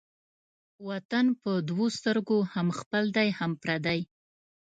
وطن په دوو سترگو هم خپل دى هم پردى.